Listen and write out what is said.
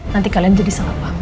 nanti kalian jadi sangat paham